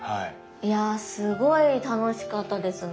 いやすごい楽しかったですね。